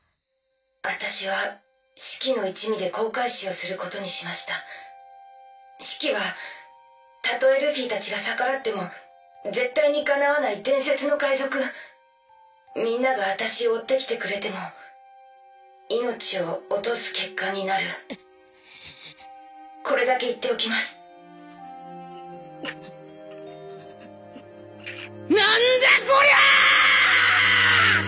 私はシキの一味で航海士をすることにしましたシキはたとえルフィたちが逆らっても絶対に敵わない伝説の海賊みんなが私を追ってきてくれても命を落とす結果になるこれだけ言っておきますなんだコリャアアアアア！